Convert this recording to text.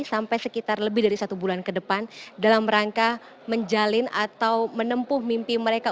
sampai sekitar lebih dari satu bulan ke depan dalam rangka menjalin atau menempuh mimpi mereka